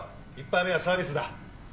１杯目はサービスだ。